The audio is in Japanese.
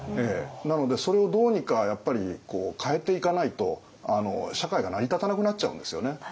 なのでそれをどうにかやっぱり変えていかないと社会が成り立たなくなっちゃうんですよね。